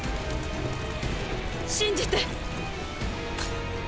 信じて。